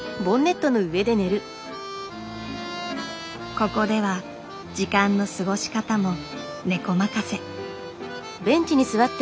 ここでは時間の過ごし方もネコまかせ。